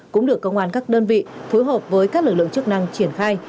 cũng được công an các đơn vị phối hợp với các lực lượng chức năng triển khai